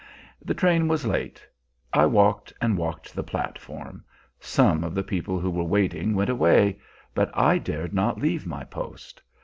The train was late. I walked and walked the platform; some of the people who were waiting went away, but I dared not leave my post.